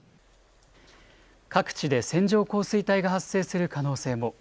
各地で線状降水帯が発生する可能性も。